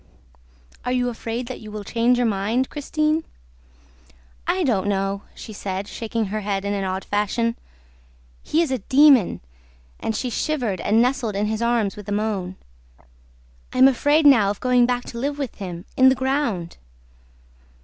"Are you afraid that you will change your mind, Christine?" "I don't know," she said, shaking her head in an odd fashion. "He is a demon!" And she shivered and nestled in his arms with a moan. "I am afraid now of going back to live with him ... in the ground!"